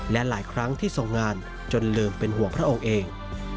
และหลายครั้งที่ทรงงานจนลืมเป็นห่วงพระองค์เอง